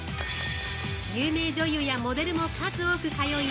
有名女優やモデルも数多く通い